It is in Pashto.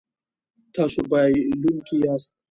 تاسو بایلونکی یاست